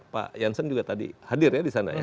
pak jansen juga tadi hadir ya